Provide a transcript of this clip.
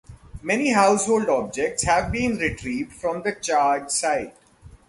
Many household objects have been retrieved from the charred site.